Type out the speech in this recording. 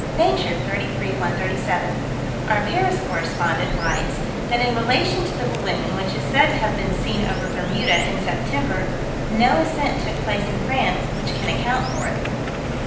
Nature, 33 137: "Our Paris correspondent writes that in relation to the balloon which is said to have been seen over Bermuda, in September, no ascent took place in France which can account for it."